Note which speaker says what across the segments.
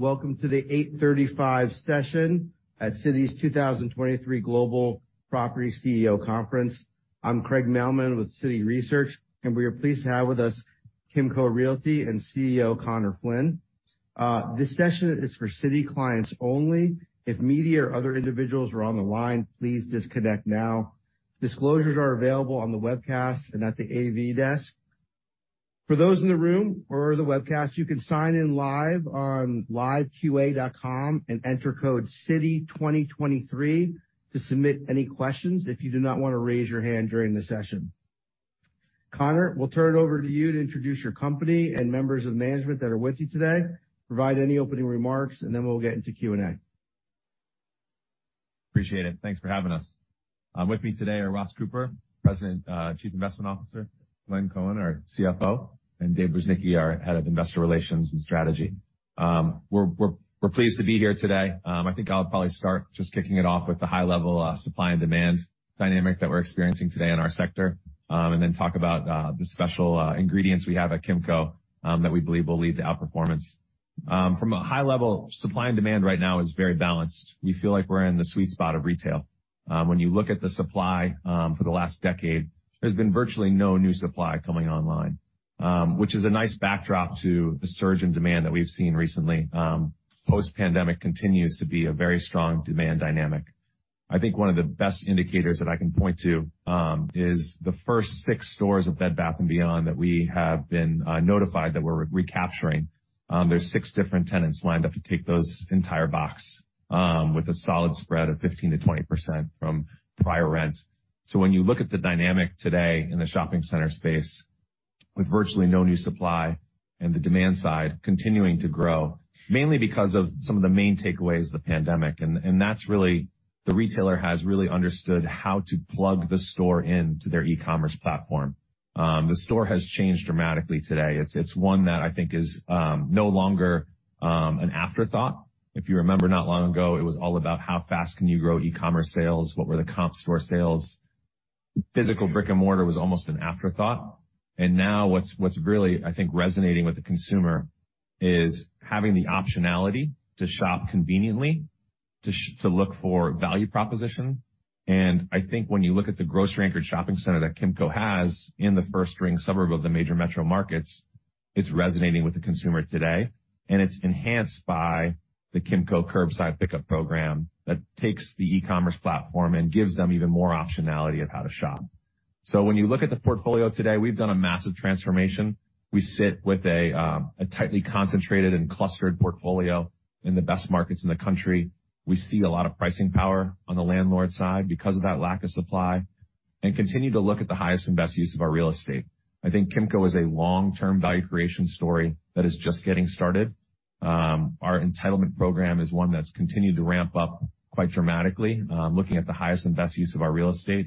Speaker 1: Welcome to the 8:35 session at Citi 2023 Global Property CEO Conference. I'm Craig Mailman with Citi Research, and we are pleased to have with us Kimco Realty and CEO Conor Flynn. This session is for Citi clients only. If media or other individuals are on the line, please disconnect now. Disclosures are available on the webcast and at the AV desk. For those in the room or the webcast, you can sign in live on liveqna.com and enter code Citi 2023 to submit any questions if you do not wanna raise your hand during the session. Conor, we'll turn it over to you to introduce your company and members of management that are with you today. Provide any opening remarks, then we'll get into Q&A.
Speaker 2: Appreciate it. Thanks for having us. With me today are Ross Cooper, President, Chief Investment Officer, Glenn Cohen, our CFO, and Dave Buznicki, our Head of Investor Relations and Strategy. We're pleased to be here today. I think I'll probably start just kicking it off with the high level supply and demand dynamic that we're experiencing today in our sector, and then talk about the special ingredients we have at Kimco that we believe will lead to outperformance. From a high level, supply and demand right now is very balanced. We feel like we're in the sweet spot of retail. When you look at the supply, for the last decade, there's been virtually no new supply coming online, which is a nice backdrop to the surge in demand that we've seen recently. Post-pandemic continues to be a very strong demand dynamic. I think one of the best indicators that I can point to is the first six stores of Bed Bath & Beyond that we have been notified that we're recapturing. There's six different tenants lined up to take those entire box with a solid spread of 15%-20% from prior rent. When you look at the dynamic today in the shopping center space with virtually no new supply and the demand side continuing to grow, mainly because of some of the main takeaways of the pandemic. That's really the retailer has really understood how to plug the store into their e-commerce platform. The store has changed dramatically today. It's one that I think is no longer an afterthought. If you remember not long ago, it was all about how fast can you grow e-commerce sales? What were the comp store sales? Physical brick-and-mortar was almost an afterthought. Now what's really, I think, resonating with the consumer is having the optionality to shop conveniently, to look for value proposition. I think when you look at the grocery-anchored shopping center that Kimco has in the first ring suburb of the major metro markets, it's resonating with the consumer today, and it's enhanced by the Kimco curbside pickup program that takes the e-commerce platform and gives them even more optionality of how to shop. When you look at the portfolio today, we've done a massive transformation. We sit with a tightly concentrated and clustered portfolio in the best markets in the country. We see a lot of pricing power on the landlord side because of that lack of supply and continue to look at the highest and best use of our real estate. I think Kimco is a long-term value creation story that is just getting started. Our entitlement program is one that's continued to ramp up quite dramatically, looking at the highest and best use of our real estate.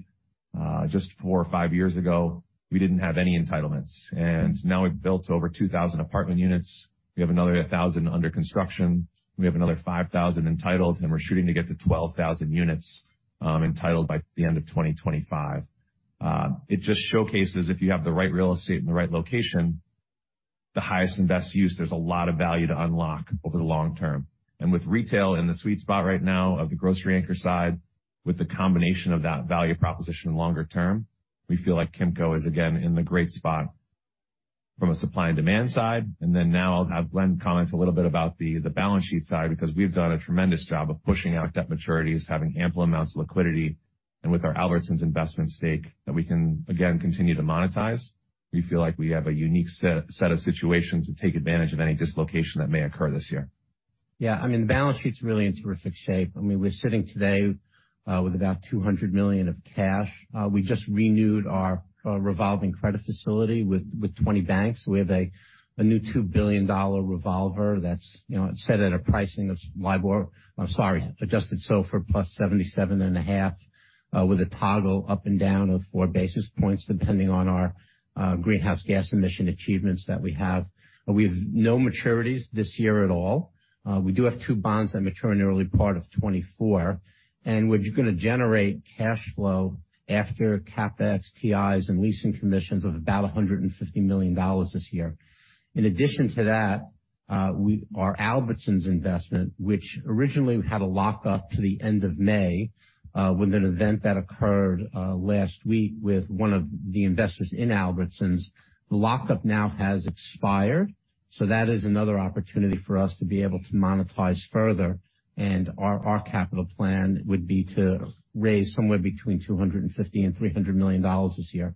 Speaker 2: Just four or five years ago, we didn't have any entitlements, and now we've built over 2,000 apartment units. We have another 1,000 under construction. We have another 5,000 entitled, and we're shooting to get to 12,000 units entitled by the end of 2025. It just showcases if you have the right real estate in the right location, the highest and best use, there's a lot of value to unlock over the long term. With retail in the sweet spot right now of the grocery anchor side, with the combination of that value proposition longer term, we feel like Kimco is again in the great spot from a supply and demand side. Now I'll have Glenn comment a little bit about the balance sheet side because we've done a tremendous job of pushing out debt maturities, having ample amounts of liquidity, and with our Albertsons investment stake that we can again continue to monetize, we feel like we have a unique set of situations to take advantage of any dislocation that may occur this year.
Speaker 1: Yeah. I mean, the balance sheet's really in terrific shape. I mean, we're sitting today with about $200 million of cash. We just renewed our revolving credit facility with 20 banks. We have a new $2 billion revolver that's, you know, set at a pricing of LIBOR adjusted SOFR +77.5, with a toggle up and down of 4 basis points, depending on our greenhouse gas emissions achievements that we have. We have no maturities this year at all. We do have two bonds that mature in the early part of 2024, and we're gonna generate cash flow after CapEx, TIs, and leasing commissions of about $150 million this year. In addition to that, our Albertsons investment, which originally had a lockup to the end of May, with an event that occurred last week with one of the investors in Albertsons, the lockup now has expired. That is another opportunity for us to be able to monetize further, and our capital plan would be to raise somewhere between $250 million and $300 million this year.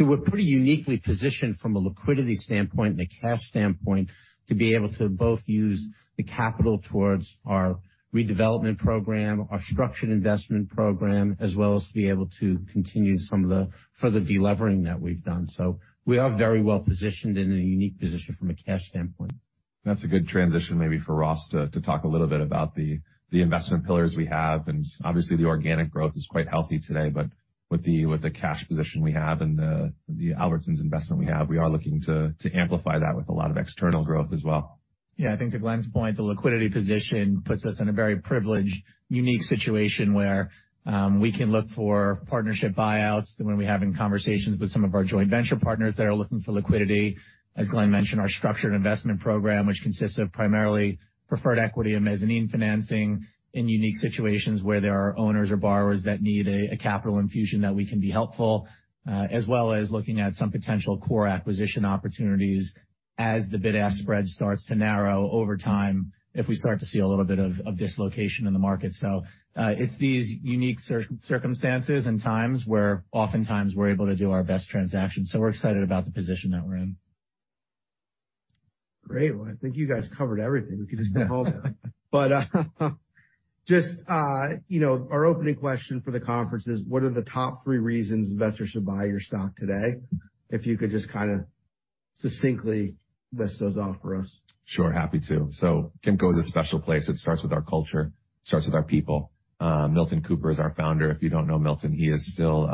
Speaker 1: We're pretty uniquely positioned from a liquidity standpoint and a cash standpoint to be able to both use the capital towards our redevelopment program, our structured investment program, as well as to be able to continue some of the further delevering that we've done. We are very well positioned and in a unique position from a cash standpoint.
Speaker 2: That's a good transition maybe for Ross to talk a little bit about the investment pillars we have. Obviously the organic growth is quite healthy today. With the cash position we have and the Albertsons investment we have, we are looking to amplify that with a lot of external growth as well.
Speaker 3: Yeah, I think to Glenn's point, the liquidity position puts us in a very privileged, unique situation where we can look for partnership buyouts when we're having conversations with some of our joint venture partners that are looking for liquidity. As Glenn mentioned, our structured investment program, which consists of primarily preferred equity and mezzanine financing in unique situations where there are owners or borrowers that need a capital infusion that we can be helpful, as well as looking at some potential core acquisition opportunities as the bid-ask spread starts to narrow over time if we start to see a little bit of dislocation in the market. It's these unique circumstances and times where oftentimes we're able to do our best transactions, We're excited about the position that we're in.
Speaker 1: Great. Well, I think you guys covered everything. We can just go home now. Just, you know, our opening question for the conference is what are the top three reasons investors should buy your stock today? If you could just kind of succinctly list those off for us.
Speaker 2: Sure. Happy to. Kimco is a special place. It starts with our culture, starts with our people. Milton Cooper is our founder. If you don't know Milton, he is still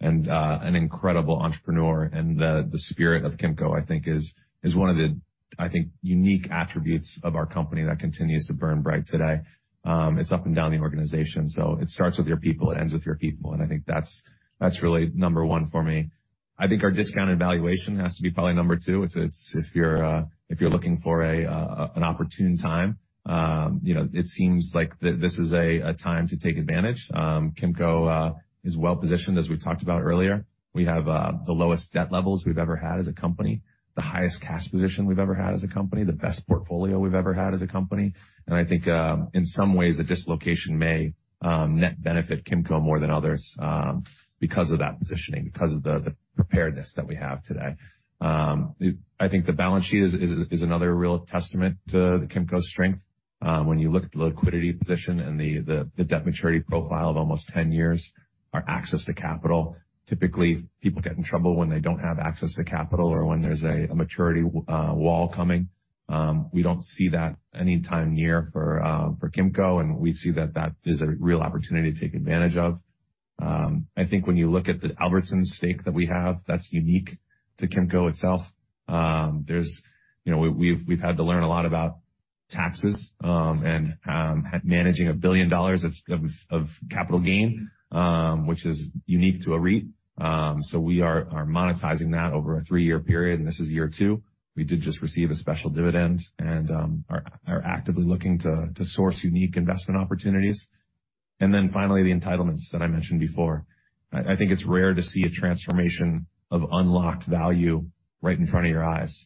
Speaker 2: an incredible entrepreneur. The spirit of Kimco, I think, is one of the, I think, unique attributes of our company that continues to burn bright today. It's up and down the organization. It starts with your people, it ends with your people. I think that's really number one for me. I think our discounted valuation has to be probably number two. If you're looking for an opportune time, you know, it seems like this is a time to take advantage. Kimco is well positioned, as we talked about earlier. We have the lowest debt levels we've ever had as a company, the highest cash position we've ever had as a company, the best portfolio we've ever had as a company. I think in some ways, the dislocation may net benefit Kimco more than others because of that positioning, because of the preparedness that we have today. I think the balance sheet is another real testament to Kimco's strength. When you look at the liquidity position and the debt maturity profile of almost 10 years, our access to capital. Typically, people get in trouble when they don't have access to capital or when there's a maturity wall coming. We don't see that any time near for Kimco, and we see that that is a real opportunity to take advantage of. I think when you look at the Albertsons stake that we have, that's unique to Kimco itself. You know, we've had to learn a lot about taxes, and managing a billion dollars of capital gain, which is unique to a REIT. We are monetizing that over a three-year period, and this is year two. We did just receive a special dividend and are actively looking to source unique investment opportunities. Then finally, the entitlements that I mentioned before. I think it's rare to see a transformation of unlocked value right in front of your eyes,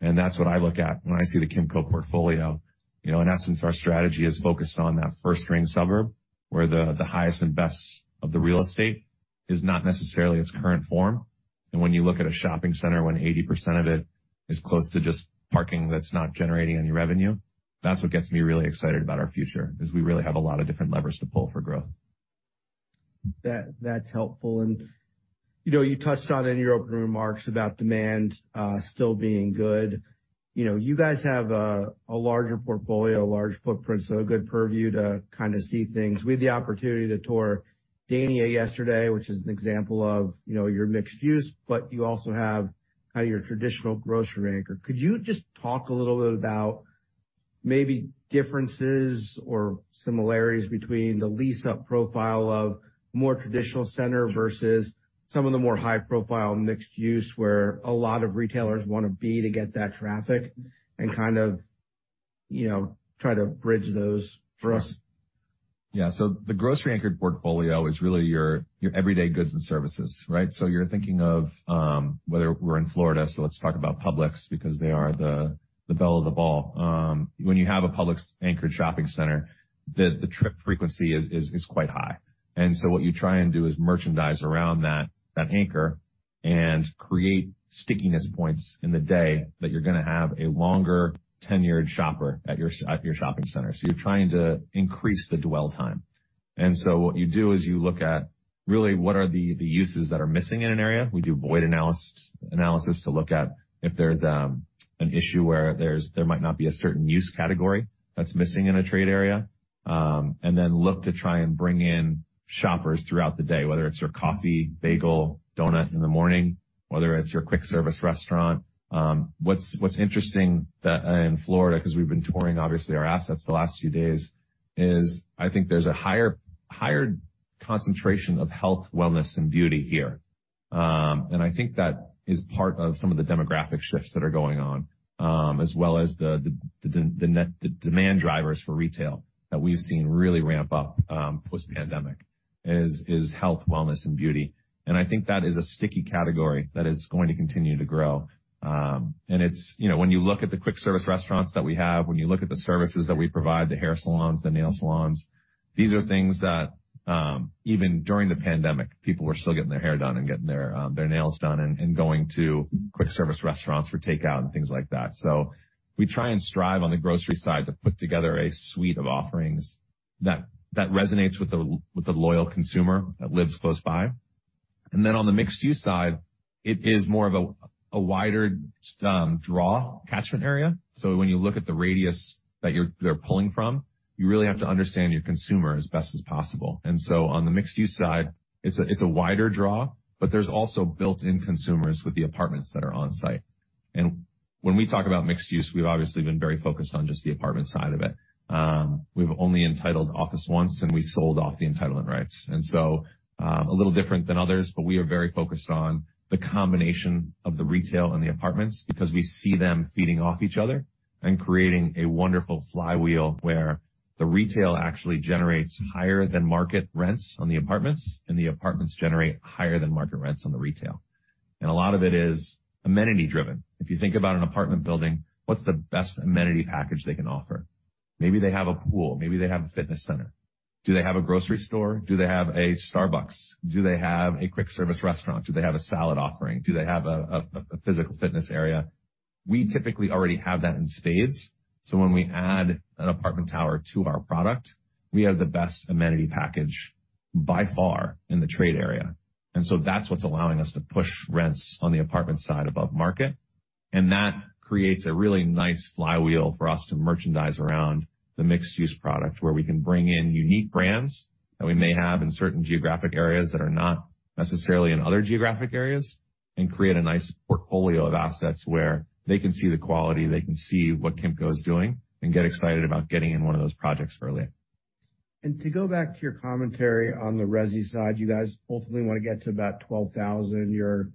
Speaker 2: and that's what I look at when I see the Kimco portfolio. You know, in essence, our strategy is focused on that first-ring suburb, where the highest and best of the real estate is not necessarily its current form. When you look at a shopping center, when 80% of it is close to just parking that's not generating any revenue, that's what gets me really excited about our future, is we really have a lot of different levers to pull for growth.
Speaker 1: That's helpful. You know, you touched on in your opening remarks about demand still being good. You know, you guys have a larger portfolio, a large footprint, so a good purview to kind of see things. We had the opportunity to tour Dania yesterday, which is an example of, you know, your mixed-use, but you also have kind of your traditional grocery anchor. Could you just talk a little bit about maybe differences or similarities between the lease-up profile of more traditional center versus some of the more high-profile mixed-use where a lot of retailers wanna be to get that traffic and kind of, you know, try to bridge those for us?
Speaker 2: Yeah. The grocery-anchored portfolio is really your everyday goods and services, right? You're thinking of, We're in Florida, so let's talk about Publix because they are the belle of the ball. When you have a Publix-anchored shopping center, the trip frequency is quite high. What you try and do is merchandise around that anchor and create stickiness points in the day that you're gonna have a longer tenured shopper at your shopping center. You're trying to increase the dwell time. What you do is you look at really what are the uses that are missing in an area. We do void analysis to look at if there's an issue where there might not be a certain use category that's missing in a trade area, and then look to try and bring in shoppers throughout the day, whether it's your coffee, bagel, donut in the morning, whether it's your quick service restaurant. What's interesting that in Florida, 'cause we've been touring obviously our assets the last few days, is I think there's a higher concentration of health, wellness, and beauty here. I think that is part of some of the demographic shifts that are going on, as well as the demand drivers for retail that we've seen really ramp up post-pandemic is health, wellness, and beauty. I think that is a sticky category that is going to continue to grow. You know, when you look at the quick service restaurants that we have, when you look at the services that we provide, the hair salons, the nail salons, these are things that, even during the pandemic, people were still getting their hair done and getting their nails done and going to quick service restaurants for takeout and things like that. We try and strive on the grocery side to put together a suite of offerings that resonates with the loyal consumer that lives close by. Then on the mixed use side, it is more of a wider draw catchment area. When you look at the radius that they're pulling from, you really have to understand your consumer as best as possible. On the mixed use side, it's a wider draw, but there's also built-in consumers with the apartments that are on site. When we talk about mixed use, we've obviously been very focused on just the apartment side of it. We've only entitled office once, and we sold off the entitlement rights. A little different than others, but we are very focused on the combination of the retail and the apartments because we see them feeding off each other and creating a wonderful flywheel where the retail actually generates higher than market rents on the apartments, and the apartments generate higher than market rents on the retail. A lot of it is amenity driven. If you think about an apartment building, what's the best amenity package they can offer? Maybe they have a pool, maybe they have a fitness center. Do they have a grocery store? Do they have a Starbucks? Do they have a quick service restaurant? Do they have a salad offering? Do they have a physical fitness area? We typically already have that in spades, when we add an apartment tower to our product, we have the best amenity package by far in the trade area. That's what's allowing us to push rents on the apartment side above market. That creates a really nice flywheel for us to merchandise around the mixed use product, where we can bring in unique brands that we may have in certain geographic areas that are not necessarily in other geographic areas, and create a nice portfolio of assets where they can see the quality, they can see what Kimco is doing and get excited about getting in one of those projects early.
Speaker 1: To go back to your commentary on the resi side, you guys ultimately want to get to about 12,000. You're,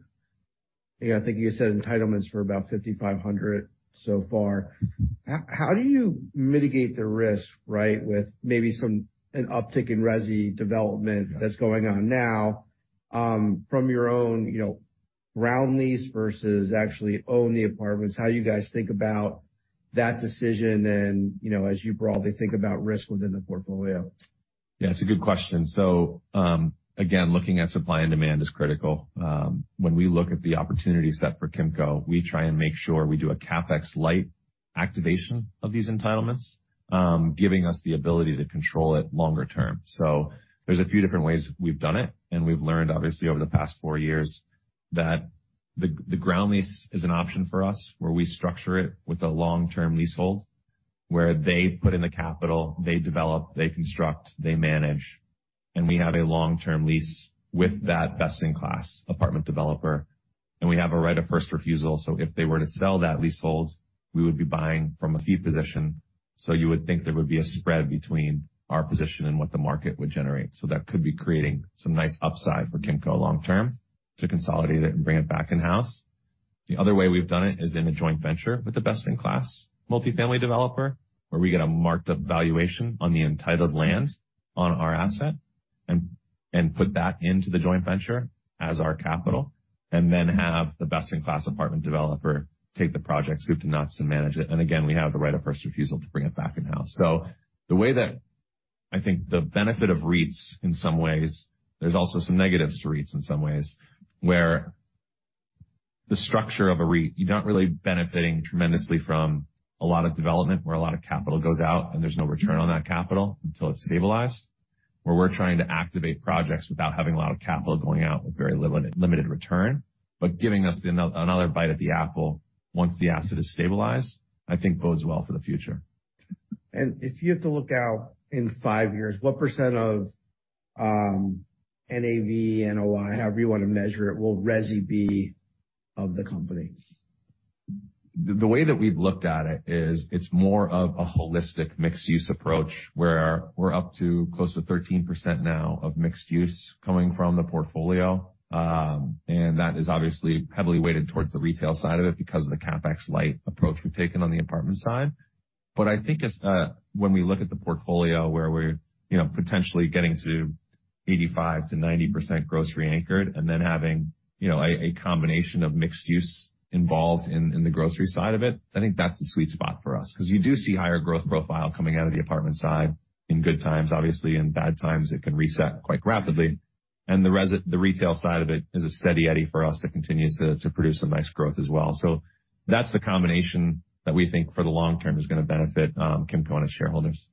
Speaker 1: I think you said entitlements for about 5,500 so far. How do you mitigate the risk, right, with maybe some an uptick in resi development that's going on now, from your own, you know, ground lease versus actually own the apartments? How you guys think about that decision and, you know, as you broadly think about risk within the portfolio?
Speaker 2: Yeah, it's a good question. Again, looking at supply and demand is critical. When we look at the opportunity set for Kimco, we try and make sure we do a CapEx light activation of these entitlements, giving us the ability to control it longer term. There's a few different ways we've done it, and we've learned, obviously, over the past four years, that the ground lease is an option for us, where we structure it with a long-term leasehold, where they put in the capital, they develop, they construct, they manage, and we have a long-term lease with that best in class apartment developer. We have a right of first refusal. If they were to sell that leasehold, we would be buying from a fee position. You would think there would be a spread between our position and what the market would generate. That could be creating some nice upside for Kimco long term to consolidate it and bring it back in-house. The other way we've done it is in a joint venture with a best in class multifamily developer, where we get a marked up valuation on the entitled land on our asset and put that into the joint venture as our capital and then have the best in class apartment developer take the project soup to nuts and manage it. Again, we have the right of first refusal to bring it back in-house. The way that I think the benefit of REITs, in some ways, there's also some negatives to REITs in some ways, where the structure of a REIT, you're not really benefiting tremendously from a lot of development where a lot of capital goes out and there's no return on that capital until it's stabilized. Where we're trying to activate projects without having a lot of capital going out with very limited return, but giving us another bite at the apple once the asset is stabilized, I think bodes well for the future.
Speaker 1: If you have to look out in five years, what % of NAV, NOI, however you want to measure it, will resi be of the company?
Speaker 2: The way that we've looked at it is it's more of a holistic mixed use approach, where we're up to close to 13% now of mixed use coming from the portfolio. That is obviously heavily weighted towards the retail side of it because of the CapEx light approach we've taken on the apartment side. I think as when we look at the portfolio where we're, you know, potentially getting to 85%-90% grocery anchored and then having, you know, a combination of mixed use involved in the grocery side of it, I think that's the sweet spot for us, because you do see higher growth profile coming out of the apartment side in good times. Obviously, in bad times, it can reset quite rapidly. The retail side of it is a steady eddy for us that continues to produce some nice growth as well. That's the combination that we think, for the long term, is gonna benefit Kimco and its shareholders.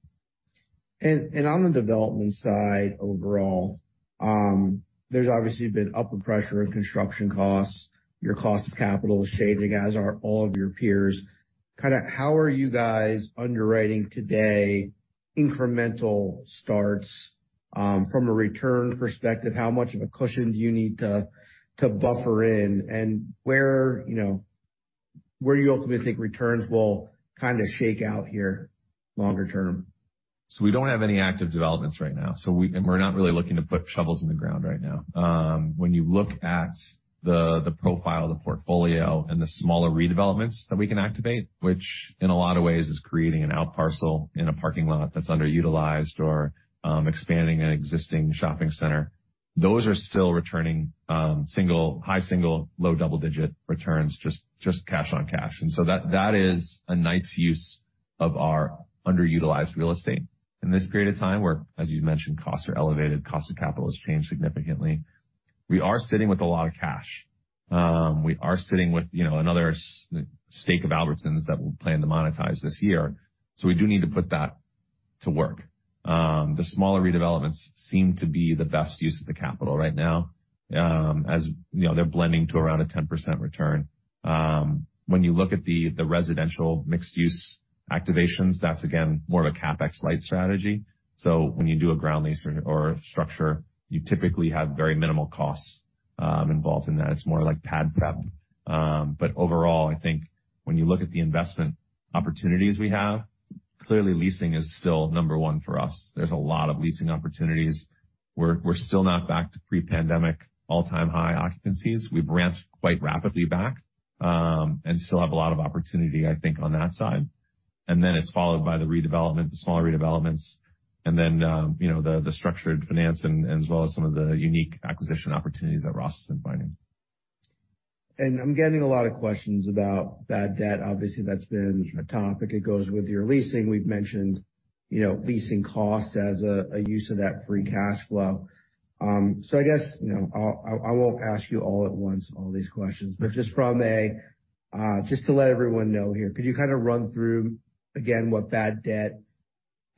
Speaker 1: On the development side overall, there's obviously been upward pressure of construction costs. Your cost of capital is shading, as are all of your peers. Kinda how are you guys underwriting today incremental starts from a return perspective? How much of a cushion do you need to buffer in and where, you know, where do you ultimately think returns will kinda shake out here longer term?
Speaker 2: We don't have any active developments right now. We're not really looking to put shovels in the ground right now. When you look at the profile, the portfolio and the smaller redevelopments that we can activate, which in a lot of ways is creating an out parcel in a parking lot that's underutilized or expanding an existing shopping center, those are still returning high single, low double-digit returns, just cash on cash. That is a nice use of our underutilized real estate in this period of time where, as you mentioned, costs are elevated, cost of capital has changed significantly. We are sitting with a lot of cash. We are sitting with, you know, another stake of Albertsons that we plan to monetize this year, so we do need to put that to work. The smaller redevelopments seem to be the best use of the capital right now, as you know, they're blending to around a 10% return. When you look at the residential mixed use activations, that's again more of a CapEx light strategy. When you do a ground lease or structure, you typically have very minimal costs, involved in that. It's more like pad prep. Overall, I think when you look at the investment opportunities we have. Clearly leasing is still number one for us. There's a lot of leasing opportunities. We're still not back to pre-pandemic all-time high occupancies. We've ramped quite rapidly back, and still have a lot of opportunity, I think, on that side. Then it's followed by the redevelopment, the smaller redevelopments and then, you know, the structured finance and as well as some of the unique acquisition opportunities that Ross has been finding.
Speaker 1: I'm getting a lot of questions about bad debt. Obviously, that's been a topic. It goes with your leasing. We've mentioned, you know, leasing costs as a use of that free cash flow. I guess, you know, I won't ask you all at once all these questions. Just from a, just to let everyone know here, could you kind of run through again what that debt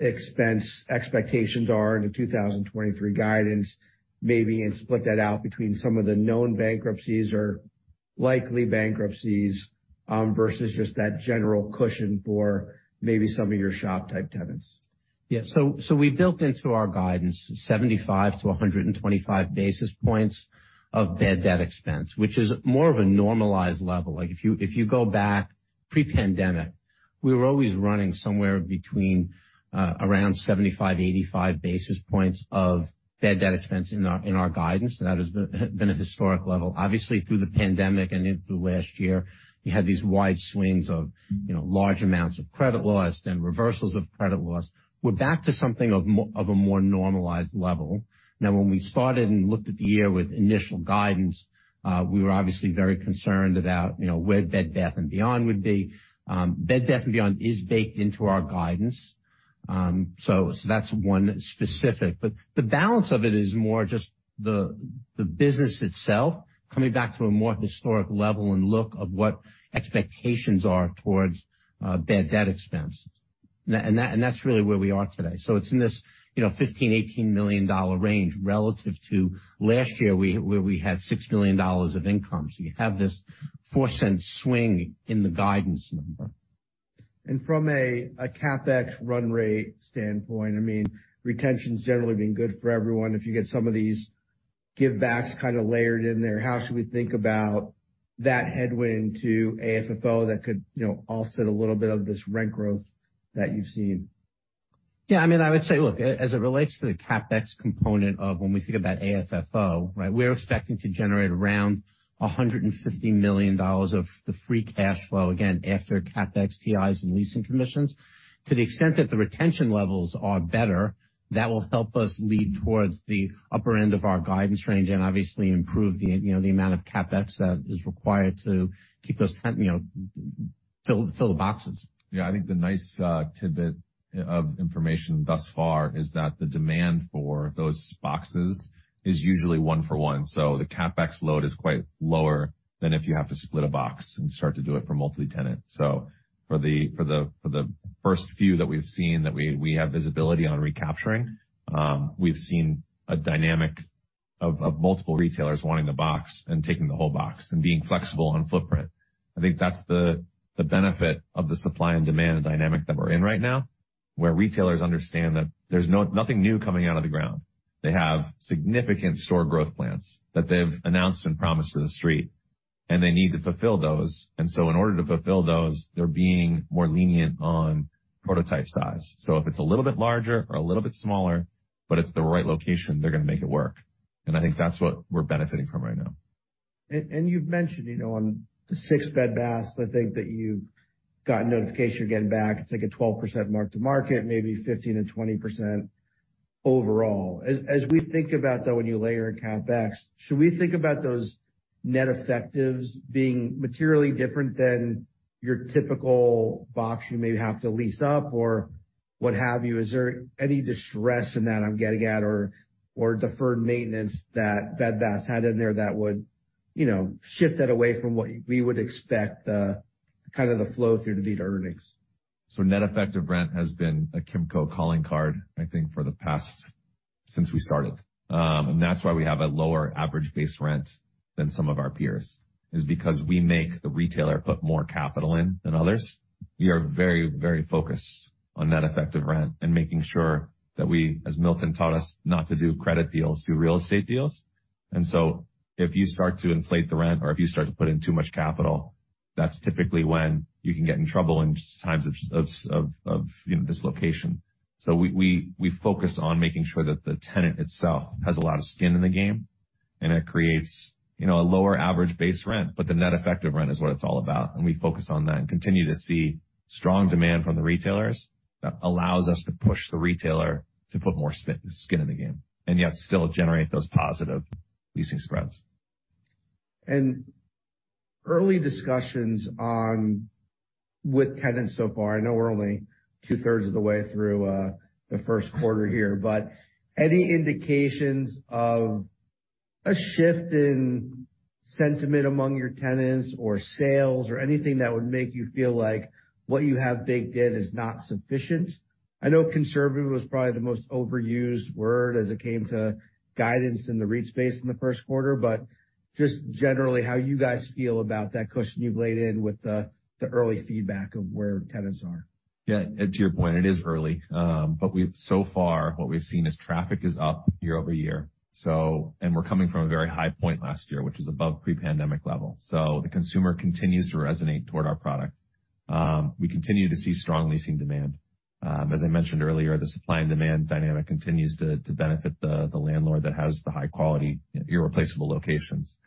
Speaker 1: expense expectations are in the 2023 guidance maybe, and split that out between some of the known bankruptcies or likely bankruptcies, versus just that general cushion for maybe some of your shop type tenants? So we built into our guidance 75 basis points to 125 basis points of bad debt expense, which is more of a normalized level. Like, if you go back pre-pandemic, we were always running somewhere between around 75 basis points to 85 basis points of bad debt expense in our guidance. That has been a historic level. Obviously, through the pandemic and into last year, you had these wide swings of, you know, large amounts of credit loss, then reversals of credit loss. We're back to something of a more normalized level. When we started and looked at the year with initial guidance, we were obviously very concerned about, you know, where Bed Bath & Beyond would be. Bed Bath & Beyond is baked into our guidance. So that's one specific. The balance of it is more just the business itself coming back to a more historic level and look of what expectations are towards bad debt expense. That's really where we are today. It's in this, you know, $15 million-$18 million range relative to last year where we had $6 million of income. You have this $0.04 swing in the guidance number. From a CapEx run rate standpoint, I mean, retention's generally been good for everyone. If you get some of these give backs kind of layered in there, how should we think about that headwind to AFFO that could, you know, offset a little bit of this rent growth that you've seen? Yeah, I mean, I would say, look, as it relates to the CapEx component of when we think about AFFO, right? We're expecting to generate around $150 million of the free cash flow again after CapEx, TIs, and leasing commissions. To the extent that the retention levels are better, that will help us lead towards the upper end of our guidance range and obviously improve the, you know, the amount of CapEx that is required to keep those tenants, you know, fill the boxes.
Speaker 2: I think the nice tidbit of information thus far is that the demand for those boxes is usually one for 1. The CapEx load is quite lower than if you have to split a box and start to do it for multi-tenant. For the first few that we've seen that we have visibility on recapturing, we've seen a dynamic of multiple retailers wanting the box and taking the whole box and being flexible on footprint. I think that's the benefit of the supply and demand dynamic that we're in right now, where retailers understand that there's nothing new coming out of the ground. They have significant store growth plans that they've announced and promised to the street, and they need to fulfill those. In order to fulfill those, they're being more lenient on prototype size. If it's a little bit larger or a little bit smaller, but it's the right location, they're gonna make it work. I think that's what we're benefiting from right now.
Speaker 1: You've mentioned, you know, on the six Bed Bath, I think that you've gotten notification you're getting back. It's like a 12% mark-to-market, maybe 15%-20% overall. As we think about, though, when you layer in CapEx, should we think about those net effectives being materially different than your typical box you may have to lease up or what have you? Is there any distress in that I'm getting at or deferred maintenance that Bed Bath had in there that would, you know, shift that away from what we would expect the, kind of the flow through to be to earnings?
Speaker 2: Net effective rent has been a Kimco calling card, I think, for the past... since we started. That's why we have a lower average base rent than some of our peers, is because we make the retailer put more capital in than others. We are very focused on net effective rent and making sure that we, as Milton taught us, not to do credit deals, do real estate deals. If you start to inflate the rent or if you start to put in too much capital, that's typically when you can get in trouble in times of, you know, dislocation. We focus on making sure that the tenant itself has a lot of skin in the game, and it creates, you know, a lower average base rent. The net effective rent is what it's all about, and we focus on that and continue to see strong demand from the retailers that allows us to push the retailer to put more skin in the game and yet still generate those positive leasing spreads.
Speaker 1: Early discussions with tenants so far, I know we're only two-thirds of the way through the first quarter here, but any indications of a shift in sentiment among your tenants or sales or anything that would make you feel like what you have baked in is not sufficient? I know conservative was probably the most overused word as it came to guidance in the REIT space in the first quarter, but just generally how you guys feel about that cushion you've laid in with the early feedback of where tenants are.
Speaker 2: Yeah. To your point, it is early. But we've so far, what we've seen is traffic is up year-over-year. We're coming from a very high point last year, which is above pre-pandemic level. The consumer continues to resonate toward our product. We continue to see strong leasing demand. As I mentioned earlier, the supply and demand dynamic continues to benefit the landlord that has the high quality, irreplaceable locations.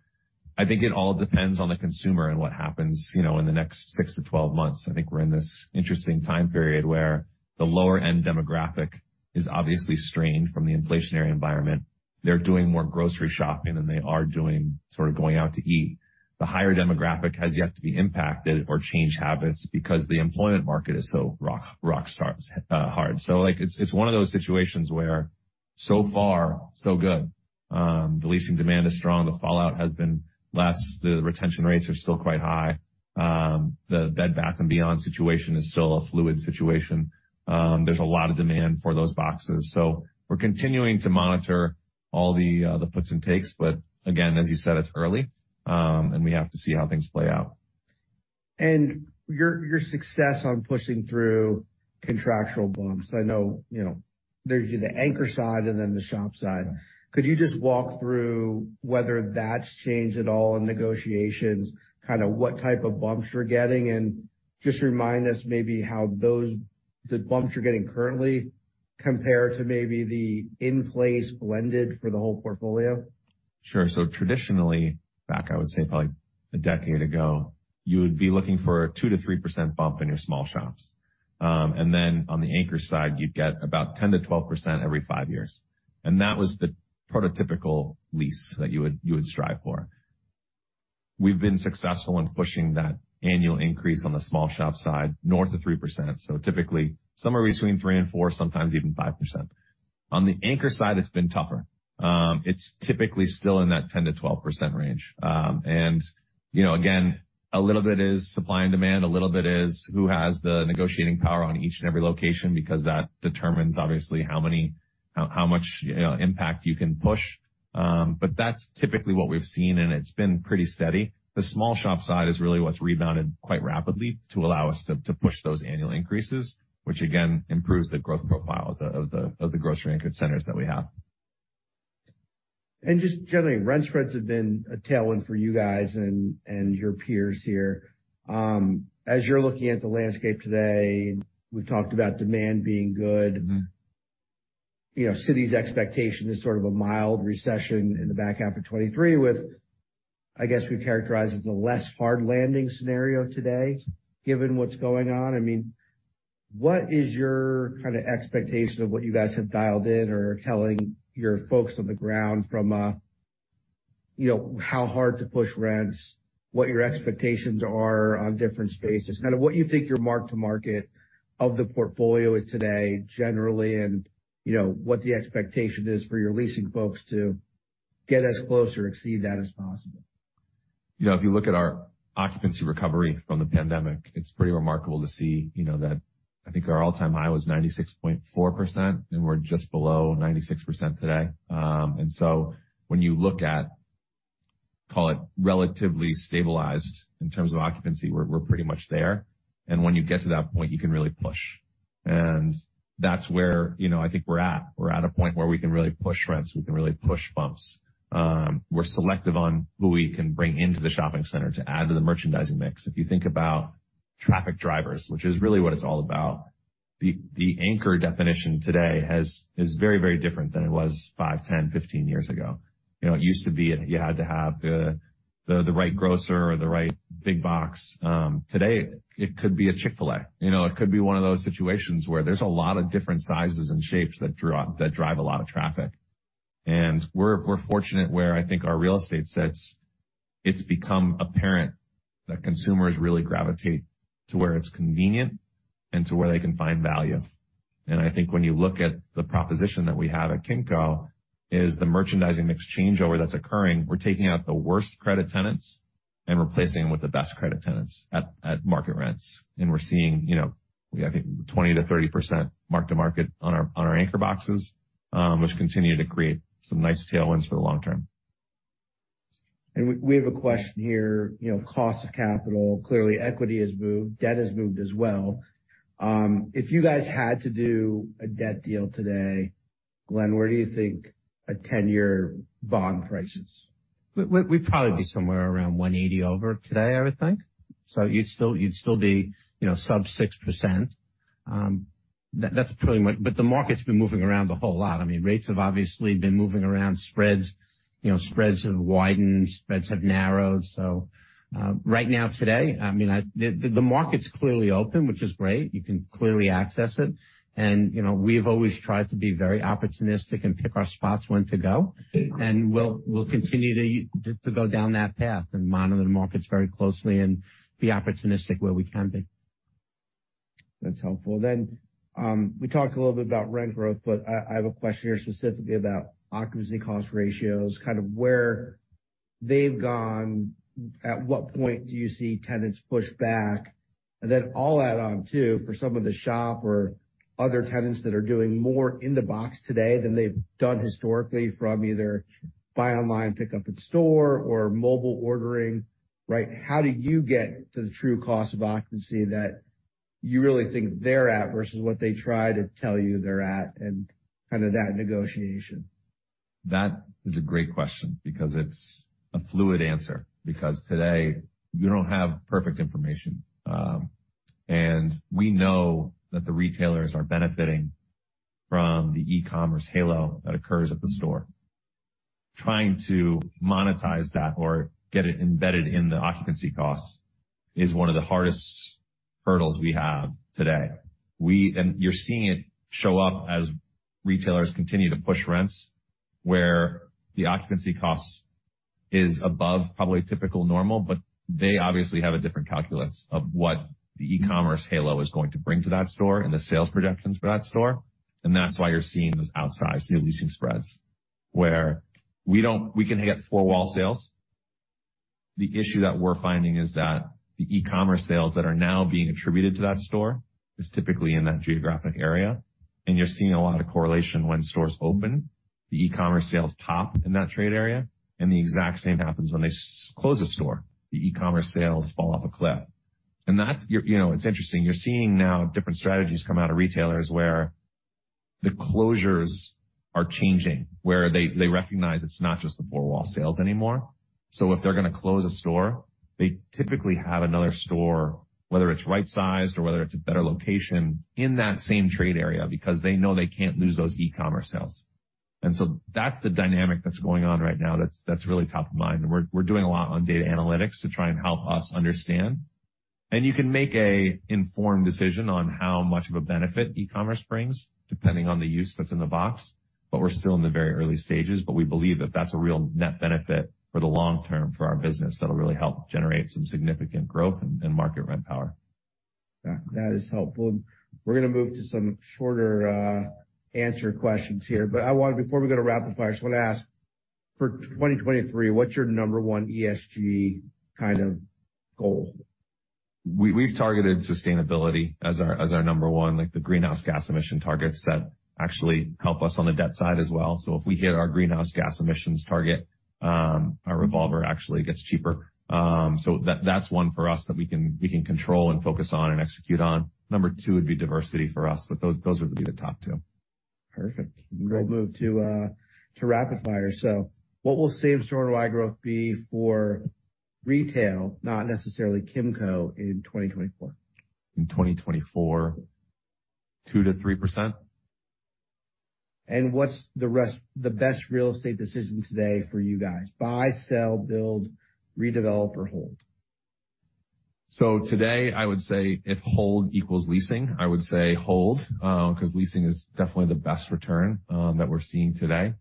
Speaker 2: I think it all depends on the consumer and what happens, you know, in the next six months-12 months. I think we're in this interesting time period where the lower-end demographic is obviously strained from the inflationary environment. They're doing more grocery shopping than they are doing sort of going out to eat. The higher demographic has yet to be impacted or change habits because the employment market is so rock stars hard. like it's one of those situations where so far so good. The leasing demand is strong. The fallout has been less. The retention rates are still quite high. The Bed Bath & Beyond situation is still a fluid situation. There's a lot of demand for those boxes. We're continuing to monitor all the puts and takes. Again, as you said, it's early, and we have to see how things play out.
Speaker 1: Your success on pushing through contractual bumps. I know, you know, there's the anchor side and then the shop side. Could you just walk through whether that's changed at all in negotiations, kind of what type of bumps you're getting? Just remind us maybe how the bumps you're getting currently compare to maybe the in-place blended for the whole portfolio.
Speaker 2: Sure. Traditionally, back, I would say probably 10 years ago, you would be looking for a 2%-3% bump in your small shops. On the anchor side, you'd get about 10%-12% every five years. That was the prototypical lease that you would strive for. We've been successful in pushing that annual increase on the small shop side north of 3%. Typically somewhere between 3% and 4%, sometimes even 5%. On the anchor side, it's been tougher. It's typically still in that 10%-12% range. You know, again, a little bit is supply and demand. A little bit is who has the negotiating power on each and every location, because that determines obviously how much, you know, impact you can push. That's typically what we've seen, and it's been pretty steady. The small shop side is really what's rebounded quite rapidly to allow us to push those annual increases, which again, improves the growth profile of the grocery anchored centers that we have.
Speaker 1: Just generally, rent spreads have been a tailwind for you guys and your peers here. As you're looking at the landscape today, we've talked about demand being good. You know, Citi's expectation is sort of a mild recession in the back half of 2023 with, I guess, we characterize as a less hard landing scenario today, given what's going on. I mean, what is your kind of expectation of what you guys have dialed in or telling your folks on the ground from, you know, how hard to push rents, what your expectations are on different spaces? Kind of what you think your mark-to-market of the portfolio is today generally, and you know, what the expectation is for your leasing folks to get as close or exceed that as possible?
Speaker 2: You know, if you look at our occupancy recovery from the pandemic, it's pretty remarkable to see, you know, that I think our all-time high was 96.4%, and we're just below 96% today. When you look at, call it, relatively stabilized in terms of occupancy, we're pretty much there. When you get to that point, you can really push. That's where, you know, I think we're at. We're at a point where we can really push rents, we can really push bumps. We're selective on who we can bring into the shopping center to add to the merchandising mix. If you think about traffic drivers, which is really what it's all about, the anchor definition today is very, very different than it was five, 10, 15 years ago. You know, it used to be you had to have the right grocer or the right big box. Today it could be a Chick-fil-A. You know, it could be one of those situations where there's a lot of different sizes and shapes that drive a lot of traffic. We're fortunate where I think our real estate sets, it's become apparent that consumers really gravitate to where it's convenient and to where they can find value. I think when you look at the proposition that we have at Kimco is the merchandising mix changeover that's occurring. We're taking out the worst credit tenants and replacing them with the best credit tenants at market rents. We're seeing, you know, I think 20%-30% mark-to-market on our, on our anchor boxes, which continue to create some nice tailwinds for the long term.
Speaker 1: We have a question here, you know, cost of capital. Clearly, equity has moved, debt has moved as well. If you guys had to do a debt deal today, Glenn, where do you think a 10-year bond price is? We'd probably be somewhere around 180 over today, I would think. You'd still be, you know, sub 6%. That's pretty much. The market's been moving around a whole lot. I mean, rates have obviously been moving around, spreads, you know, spreads have widened, spreads have narrowed. Right now, today, I mean, the market's clearly open, which is great. You can clearly access it. You know, we've always tried to be very opportunistic and pick our spots when to go. We'll continue to go down that path and monitor the markets very closely and be opportunistic where we can be. That's helpful. Then, we talked a little bit about rent growth, but I have a question here specifically about occupancy cost ratios, kind of where they've gone. At what point do you see tenants push back? I'll add on too, for some of the shop or other tenants that are doing more in the box today than they've done historically from either buy online, pickup in store or mobile ordering, right? How do you get to the true cost of occupancy that you really think they're at versus what they try to tell you they're at and kind of that negotiation?
Speaker 2: That is a great question because it's a fluid answer, because today you don't have perfect information. We know that the retailers are benefiting from the e-commerce halo that occurs at the store. Trying to monetize that or get it embedded in the occupancy costs is one of the hardest hurdles we have today. You're seeing it show up as retailers continue to push rents where the occupancy costs is above probably typical normal, but they obviously have a different calculus of what the e-commerce halo is going to bring to that store and the sales projections for that store. That's why you're seeing those outsized new leasing spreads where we can hit four-wall sales. The issue that we're finding is that the e-commerce sales that are now being attributed to that store is typically in that geographic area. You're seeing a lot of correlation when stores open, the e-commerce sales pop in that trade area, and the exact same happens when they close a store. The e-commerce sales fall off a cliff. That's, you know, it's interesting. You're seeing now different strategies come out of retailers where the closures are changing, where they recognize it's not just the four-wall sales anymore. If they're gonna close a store, they typically have another store, whether it's right-sized or whether it's a better location in that same trade area, because they know they can't lose those e-commerce sales. That's the dynamic that's really top of mind. We're doing a lot on data analytics to try and help us understand. You can make a informed decision on how much of a benefit e-commerce brings, depending on the use that's in the box. We're still in the very early stages, but we believe that that's a real net benefit for the long term for our business that'll really help generate some significant growth and market rent power.
Speaker 1: That is helpful. We're gonna move to some shorter, answer questions here. Before we go to rapid fire, just wanna ask, for 2023, what's your number one ESG kind of goal?
Speaker 2: We've targeted sustainability as our number one, like the greenhouse gas emissions targets that actually help us on the debt side as well. If we hit our greenhouse gas emissions target, our revolver actually gets cheaper. That's one for us that we can control and focus on and execute on. Number two would be diversity for us. Those would be the top two.
Speaker 1: Perfect. We'll move to rapid fire. What will same-store NOI growth be for retail, not necessarily Kimco, in 2024?
Speaker 2: In 2024, 2%-3%.
Speaker 1: What's the best real estate decision today for you guys? Buy, sell, build, redevelop, or hold?
Speaker 2: Today, I would say if hold equals leasing, I would say hold, 'cause leasing is definitely the best return that we're seeing today,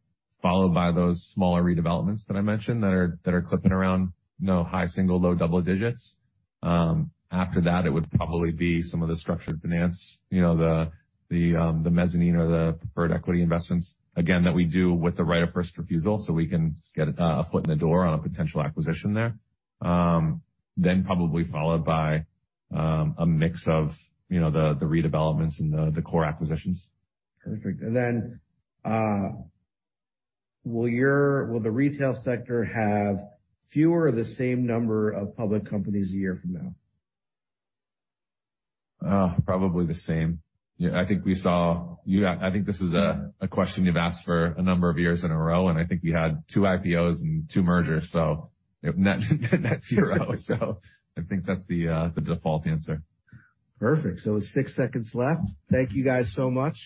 Speaker 2: followed by those smaller redevelopments that I mentioned that are clipping around, you know, high single, low double digits. After that, it would probably be some of the structured finance, you know, the mezzanine or the preferred equity investments, again, that we do with the right of first refusal, so we can get a foot in the door on a potential acquisition there. Probably followed by a mix of, you know, the redevelopments and the core acquisitions.
Speaker 1: Perfect. Then, will the retail sector have fewer or the same number of public companies a year from now?
Speaker 2: Probably the same. I think this is a question you've asked for a number of years in a row. I think we had two IPOs and two mergers. Net, net zero. I think that's the default answer.
Speaker 1: Perfect. six seconds left. Thank you guys so much.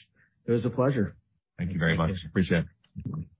Speaker 1: It was a pleasure.
Speaker 2: Thank you very much. Appreciate it.